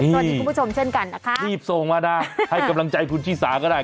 คุณผู้ชมเช่นกันนะคะรีบส่งมานะให้กำลังใจคุณชิสาก็ได้